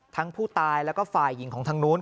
ผู้ตายแล้วก็ฝ่ายหญิงของทางนู้น